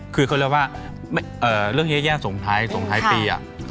คือเขาเรียกว่าเรื่องแย่ส่งท้ายส่งท้ายปี